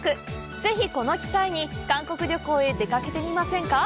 ぜひ、この機会に韓国旅行へ出かけてみませんか。